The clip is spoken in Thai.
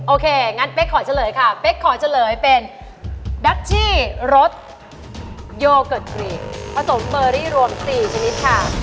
โอเคงั้นเป๊กขอเฉลยค่ะเป๊กขอเฉลยเป็นแบคชี่รสโยเกิร์ตกกรีดผสมเบอรี่รวม๔ชนิดค่ะ